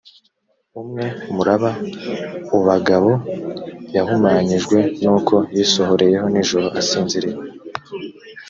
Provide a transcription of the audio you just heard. umwe muraba ubagabo yahumanyijwe n’uko yisohoreyeho nijoro asinziriye